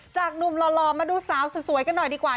หนุ่มหล่อมาดูสาวสวยกันหน่อยดีกว่า